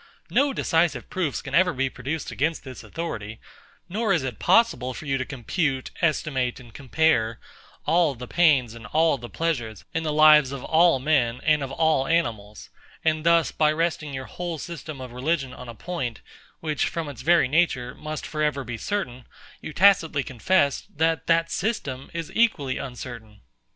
No decisive proofs can ever be produced against this authority; nor is it possible for you to compute, estimate, and compare, all the pains and all the pleasures in the lives of all men and of all animals: And thus, by your resting the whole system of religion on a point, which, from its very nature, must for ever be uncertain, you tacitly confess, that that system is equally uncertain.